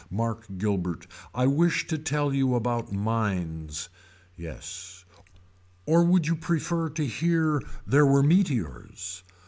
Mark Gilbert. I wish to tell you about mines. Yes. Or would you prefer to hear there were meteors.